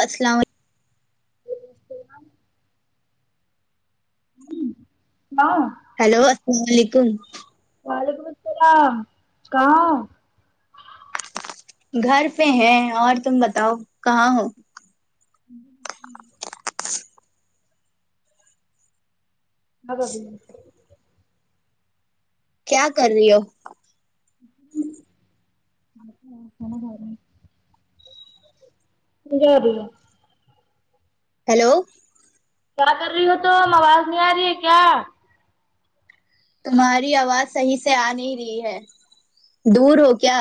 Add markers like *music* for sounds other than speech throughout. السلام عل ہاں ہیلو السلام علیکم وعلیکم السلام کہاں ہو گھر پہ ہیں اور تم بتاؤ کہاں ہو ہاں بھابی کیا کر رہی ہو کھانا کھا رہی ہوں۔ *unintelligible* ہیلو کیا کر رہی ہو تو ہم آواز نہیں آ رہی ہے کیا تمہاری آواز صحیح سے آ نہیں رہی ہے دور ہو کیا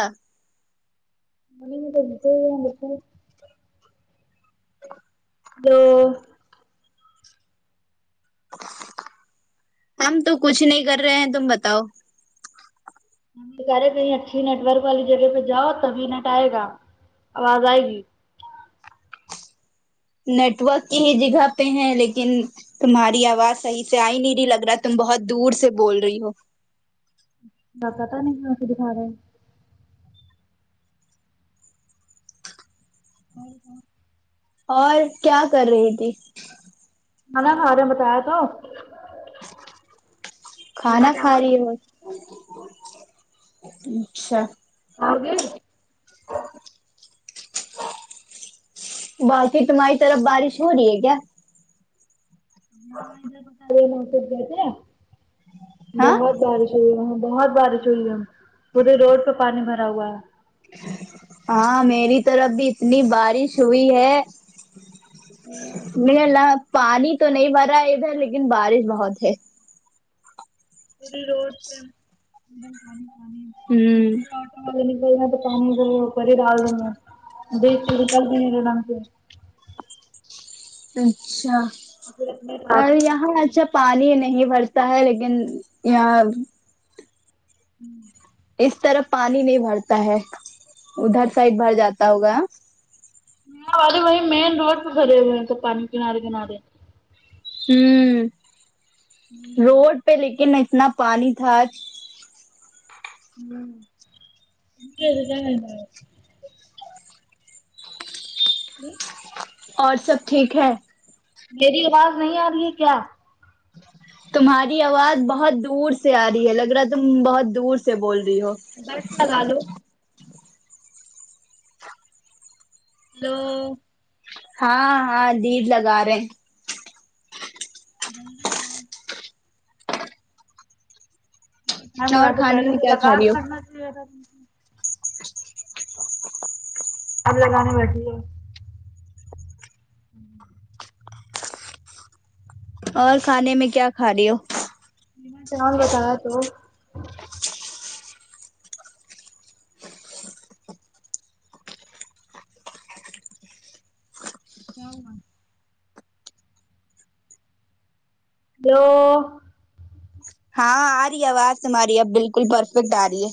*inaudible* دو ہم تو کچھ نہیں کر رہے ہیں تم بتاؤ تمہارے کہیں اچھی نیٹ ورک والی جگہ پہ جاؤ تبھی نیٹ آئے گا آواز آئے گی نیٹورک کی ہی جگہ پہ ہے لیکن تمہاری آواز صحیح سے آئی نہیں رہی لگ رہا تم بہت دور سے بول رہی ہو بقا تو نہیں اسے دکھا رہے ہیں اور کیا کر رہی تھی کھانا کھا رہے ہیں بتایا تو قیمہ کھانا کھا چاول رہی ہو اچھا آگے باقی تمہاری طرف بارش ہو رہی ہے کیا نہ ادھر تو *unintelligible* ہاں بہت بارش بہت بارش ہوئی ہے پورے روڈ پہ پانی بھرا ہوا ہے ہاں میری طرف بھی اتنی بارش ہوئی ہے میلا پانی تو نہیں بھرا ہے ادھر لیکن بارش بہت ہے پورے روڈ پہ پانی پانی دوسرا تو کام کر ہی ڈال دوں *unintelligible* میں دیک کر *unintelligible* سے اچھا پھر اتنے اور یہاں اچھا پانی نہیں بھر تا ہے لیکن یہاں اس طرف پانی نہیں بھرتا ہے ادھر سائڈ بھر جاتا ہوگا ہاں باجی وہی مین روڈ پہ بھرے ہوئے ہے پانی کنارے کنارے ہوں روڈ پہ لیکن اتنا پانی تھا ہوں جی اور سب ٹھیک ہے میری آواز نہیں آ رہی ہے کیا تمہاری آواز بہت دور سے آ رہی ہے لگ رہا تم بہت دور سے بول رہی ہو بیلٹ لگا لو ہیلو ہاں ہاں دید لگا رہے غلطی جناب اور کھانے پہلے میں سے کیا کھا لگا رہی ہو کے رکھنا چاہیے تہا تمہیں اب لگانے بیٹھی ہے ہوں اور کھانے میں کیا کھا رہی ہو جی میں چاول بتایا تو کیا ہوا ہے ہیلو ہاں آ رہی ہے آواز تمہاری اب بالکل پرفیکٹ آ رہی ہے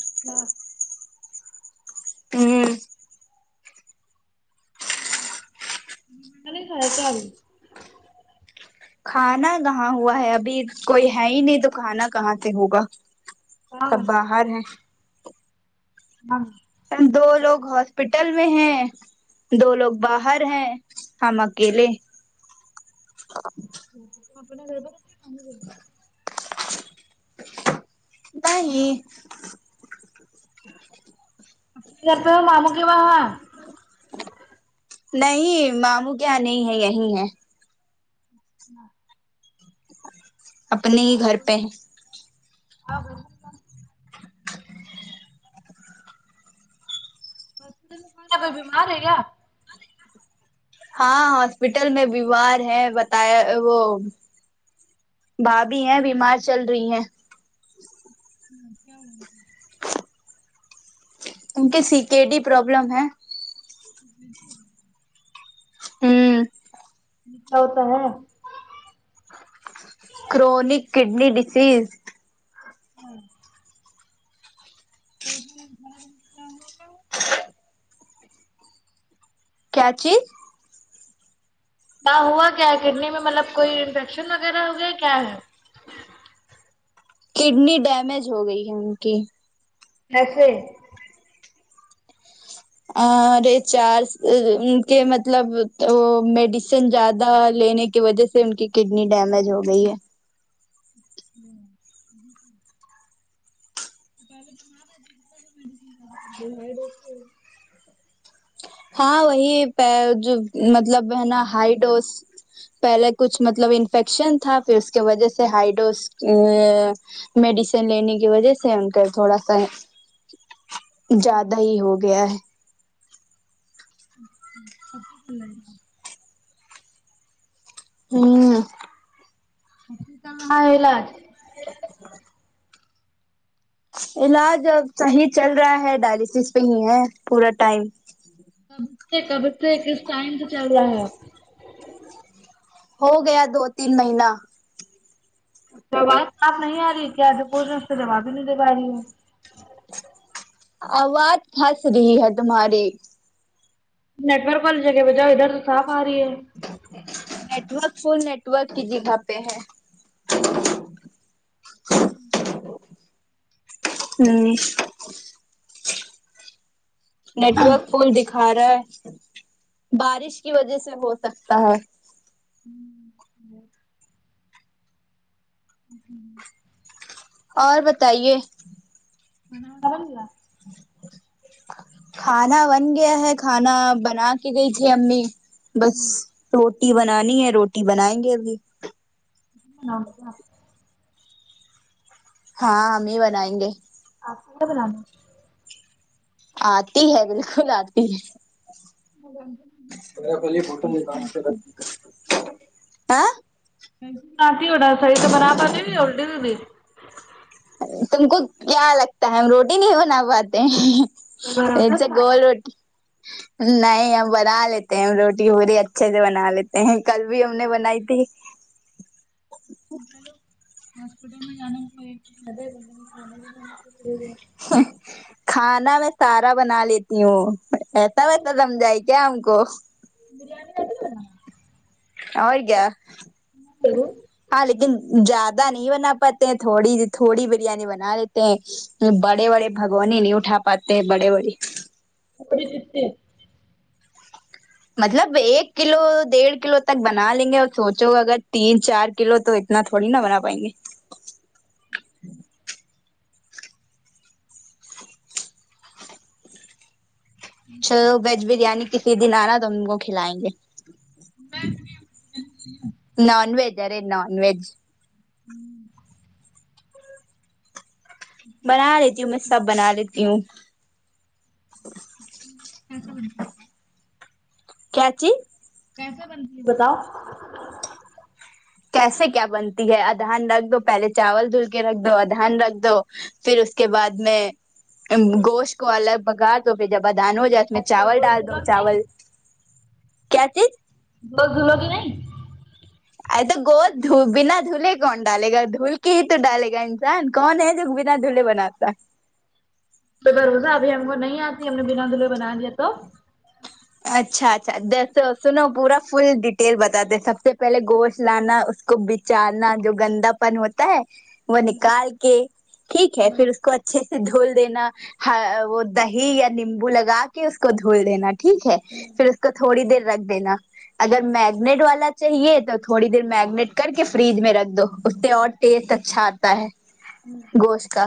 اچھا ہوں *unintelligible* کھانا کہاں ہوا ہے ابھی کوئی ہے ہی نہیں تو کھانا کہاں سے ہوگا ہاں سب باہر ہے ہاں دو لوگ ہاسپٹل میں ہیں دو لوگ باہر ہیں ہم اکیلے *unintelligible* نہیں مامو کے وہاں نہیں ماموں کے ہاں نہیں ہے یہی ہے ہاں اپنے ہی گھر پہ ہیں *inaudible* ہاسپٹل میں *unintelligible* بیمار ہے گا ہاں ہاسپٹل میں بیمار ہے بتایا وہ بھابھی ہیں بیمار چل رہی ہیں ہمم کیا ہوا ہے ان کے سی کے ڈی پروابلم ہے جی جی ہوں ہوتا ہے کرونک کڈنی ڈسییز ہاں *unintelligible* کیا چیز ب ہوا کیا ہے کڈنی میں مطلب کوئی انفیکشن وغیرہ ہو گیا کیا ہے کڈنی ڈیمیج ہو گئی ہے ان کی ایسے اے چارانکے مطلب تو میڈیسن زیادہ لینے کے کی وجہ سے ان کی کڈنی ڈیمیج ہو گئی ہے *unintelligible* ہاں وہی پے جو مطلب ہے نا ہائی ڈوس پہلے کچھ مطلب انفیکشن تھا پھر اس کی وجہ سے ہائی ڈوز میڈیسن لینے کی وجہ سے ان کا تھوڑا سا زیادہ ہی ہو گیا ہے *unintelligible* ہوں *unintelligible* علاج اب صحیح چل رہا ہے ڈائلسس پہ ہی ہے پورا ٹائم کب سے کب سے کس ٹائم سے چل رہا ہے ہو گیا دو تین مہینہ اواز صاف نہیں آرہی ہے کیا جو بول رہی اس کا جواب ہی نی دے پارہی آواز پھنس رہی ہے تمہاری نیٹ ورک والی جگہ پ جاؤ ادھر تو صاف آ رہی ہے نیٹورک فل نیٹورک کی جگہ پہ ہے ہمم ہوں نیٹ ورک فل دکھا رہا ہے بارش کی وجہ سے ہو سکتا ہے *unintelligible* جی اور بتائیے کھانا وانا بن گیا کھانا بن گیا ہے کھانا بنا کے گئی تھی امی بس روٹی بنانی ہے روٹی بنائیں گے ابھی اپ بناؤ گی کیا ہاں ہم ہی بنائیں گے آتا ہے بنانا آتی ہے بالکل آتی ہے بنانا ہے ہاں کیسی بناتی ہو سہی سے بنا پتی ہو یا الٹی سیدھی تم کو کیا لگتا ہے ہم روٹی نہیں بنا پاتے بھروسہ اٹس ا تمہارا گول روٹی نہیں ہم بنا لیتے ہیں روٹی پوری اچھے سے بنا لیتے ہیں کل بھی ہم نے بنائی تھی ہاسپٹل میں جانا کوئی *unintelligible* کھانا میں سارا بنا لیتی ہوں ایسا ویسا سمجھا ہے کیا ہم کو بریانی اتی ہے بنانے اور کیا *unintelligible* ہاں لیکن زیادہ نہیں بنا پاتے ہیں تھوڑی تھوڑی بریانی بنا لیتے ہیں بڑے بڑے بھگونے نہیں اٹھا پاتے ہیں بڑے بڑے تھوڑی کتی مطلب ایک کلو ڈیڑھ کلو تک بنا لیں گے اور سوچو اگر تین چار کلو تو نہ تھوڑی نا بنا پاےگے ھمم چلو ویج بریانی کسی دن آنا تو ہم تم کو کھلائیں گے نان وج ارے نان وج ھمم بنا لیتی ہوں میں سب بنا لیتی ہوں کیسا بنتا کیا چی کیسے بنتا بتاؤ کیسے کیا بنتی ہے ادھان رکھ دو پہلے چاول دھل کے رکھ دو ادھان رکھ دو پھر اس کے بعد میں گوشت کو الگ پکا تو پھر جب ادھان ہو جائے اس میں اچھا چاول گوشت ڈال دو دھلو گی نہیں چاول کیا چیز گوشت دھلو گی نہیں ا تو گود دھو بنا دھولے کون ڈالے گا دھول کے ہی تو ڈالے گا انسان کون ہے جو بنا دھولے بناتا تو ب روزہ *unintelligible* ابھی ہم کو نہیں آتی ہم نے بنا دھلے بنا دیا تو اچھا اچھا جیسےو نا *unintelligible* پورا فل ڈیٹیل بتاتے سب سے پہلے گوشت لانا اس کو چارنا جو گندا پن ہوتا ہے وہ نکال کے ٹھیک ہے پھر اس کو اچھے سے دھول دینا ہا وہ دہی یا نیمبو لگا کے اس کو دھول دینا ٹھیک ہے پھر اس کو تھوڑی دیر رکھ دینا اگر می میگنیٹ والا چاہیے تو تھوڑی دیر میگنیٹ کر کے فریج میں رکھ دو اسے اور ٹیسٹ اچھا تا ہے ہمم گوشت کا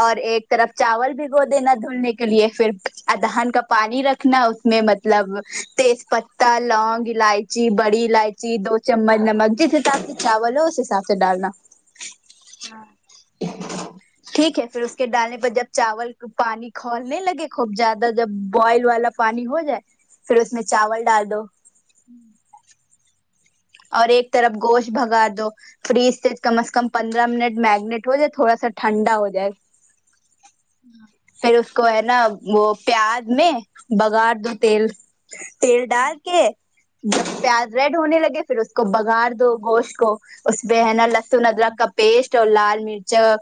اور ایک طرف چاول بگو دینا دھلنے کے لیے پھر ادہان کا پانی رکھنا اس میں مطلب تیز پتہ لونگ ایلچی بڑی ایلچی چی دو چمچ نمک جس حساب سے چاول ہو اس حساب سے ڈالنا ہاں ٹھیک ہے پھر اس کے ڈالنے پر جب چاول پانی کھولنے لگے خوب زیادہ جب بوئل والا پانی ہو جائے پھر اس میں چاول ڈال دو ہمم اور ایک طرف گوشت بھگا دو فریج سے کم از کم پندرہ منٹ میگنیٹ ہو جائے تھوڑا سا ٹھنڈا ہو جائے ھمم پھر اس کو ہے نا وہ پیاز میں بگار دو تیل تیل ڈال کے جب پیاز ریڈ ہونے لگے پھر اس کو بگار دو گوشت کو اس پہ ہے نا لھ سن ادرک کا پیسٹ اور لال مرچا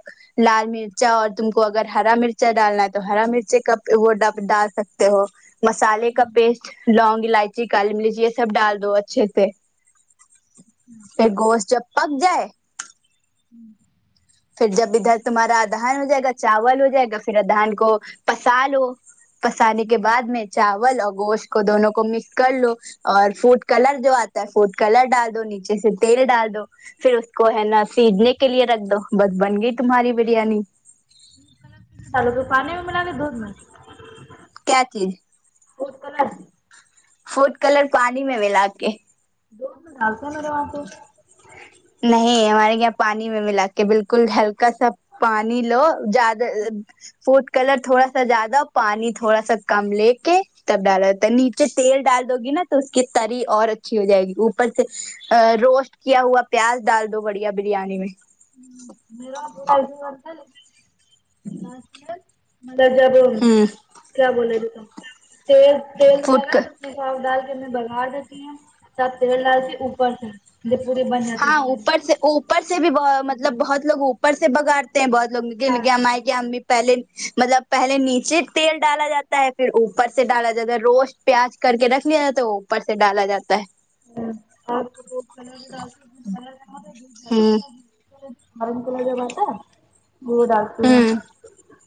لال مرچا اور تم کو اگر ہرا مرچ چا ڈالنا ہے تو ہرا مرچ کپ وہ ڈال سکتے ہو مسالے کا پیسٹ لونگ ایلچی کالی مرچ یہ سب ڈال دو اچھے سے پھر گوشت جب پک جائے ہمم پھر جب ادھر تمہارا ادھان ہو جائے گا چاول ہو جائے گا پھر ادھان کو پسا لو پسانے کے بعد میں چاول اور گوشت کو دونوں کو مکس کر لو اور فوڈ کلر جو آتا ہے فوڈ کلر ڈال دو نیچے سے تیل ڈال دو پھر اس کو ہے نا سیجنے کے لیے رکھ دو بس بن گئی تمہاری بریانی ڈالو تو پانی میں ملا کےے دودھ میں کیا چیز فوڈ کلر فوڈ کلر پانی میں میلا کے دودھ من ڈالتے ہے میرے وہا توہ نہیں ہمارے یہاں پانی میں ملا کے بالکل ہیلک کا سب پانی لو زیادہ فٹ کلر تھوڑا سا زیادہ پانی تھوڑا سا کم لے کے تب ڈالا جاتا ہے نیچے تیل ڈال دو گی نا تو اس کی تری اور اچھی ہو جائے گی اوپر سے روسٹ کیا ہوا پیاز ڈال دو بڑھیا بریانی میں *inaudible* مطلب جب ہ کیا بولے تھے تم تیل تیل رہا فوڈ ہے اس میں ساگ ڈال کے ہم بگھار دیتی ہے سب تیل ڈال دیتی اوپر سے لے پورے بنا کے ہاں دیے ہیں اوپر سے اوپر سے بھی بہت مطلب بہت لگ اوپر سے بگاڑتے ہیں بہت ہاں لوگ پہلے مطلب پہلے نیچے تیل ڈالا جاتا ہے پھر اوپر سے ڈالا جاتا ہے روسٹ پیاز کر کے رکھ لیا جائے تو اوپر سے ڈالا جاتا ہے *unintelligible* دودھ کلر جماتا دودھ ہمم *unintelligible* ہوں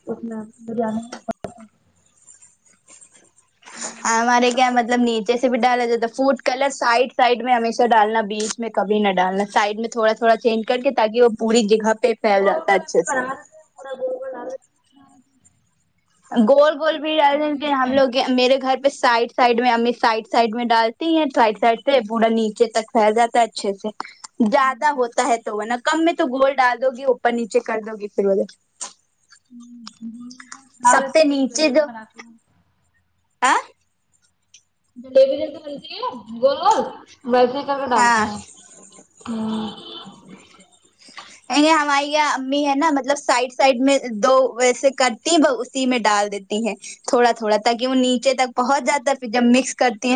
اس میں بریانی ہمارے کیا مطلب نیچے سے بھی ڈالا جاتا ہے فوٹ کلر سائڈ سائڈ میں ہمیشہ ڈالنا بیچ میں کبھی نہ ڈالنا سائڈ میں تھوڑا تھوڑا چینج کر کے تاکہ وہ پوری جگہ پہ گول پھیلاتا ہے گول ہم اچھا بھی سے بنا دیتے ہیں پورا گول گول ڈال گول گول بھی رہ کہ ہم لوگ میرے گھر پہ سائڈ سائڈ میں ہمیں سائڈ سائڈ میں ڈالتے ہیں سائڈ سائڈ سے پورا نیچے تک پھیلاتا ہے اچھے سے زیادہ ہوتا ہے تو وہ نا کم میں تو گول ڈال دو گی اوپر نیچے کر دو گی پھر وہھر ہمم ہمم او سب سے جلدی جلیبی بناتے ہیں آ جلیبی دے تو بنتی ہے گول گول ویسے ہی کر کے ڈالتی ہاں ہیں ہوں ہماری یہ امی ہے نا مطلب سائڈ سائڈ میں دو ویسے کرتی ہیں دو اسی میں ڈال دیتی ہیں تھوڑا تھوڑا تاکہ وہ نیچے تک پہنچ جاتا ہے پھر جب مکس کرتی ہیں نا